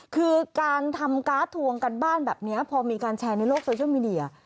คือการทำการ์ดทวงการบ้านแบบนี้พอมีการแชร์ในโลกโซเชียลมีเดีย